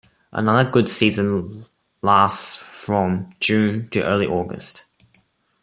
Another good season lasts from late June to early August.